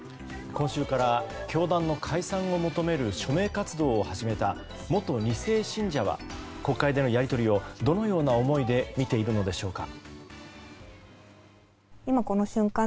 今週から教団の解散を求める署名活動を始めた元２世信者たちは国会でのやり取りをどのような思いで見ているのでしょうか。